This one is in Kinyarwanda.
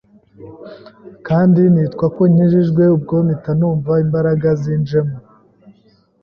kandi nitwa ko nkijijwe, ubwo mpita numva imbaraga zinjemo